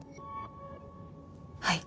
はい。